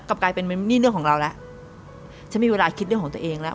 กลายเป็นนี่เรื่องของเราแล้วฉันมีเวลาคิดเรื่องของตัวเองแล้ว